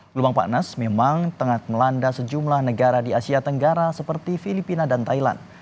gelombang panas memang tengah melanda sejumlah negara di asia tenggara seperti filipina dan thailand